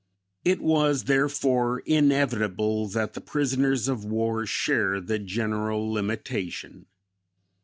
It was, therefore, inevitable that the prisoners of war share the general limitation.